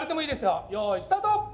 よいスタート。